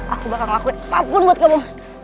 aku bakal ngelakuin apapun buat kamu